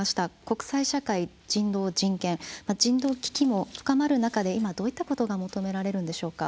国際社会人道人権人道危機も深まる中で今どういったことが求められるんでしょうか。